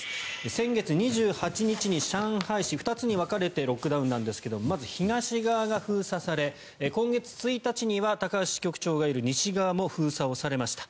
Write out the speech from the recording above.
先月２８日に上海市２つに分かれてロックダウンなんですがまず、東側が封鎖され今月１日には高橋支局長がいる西側も封鎖をされました。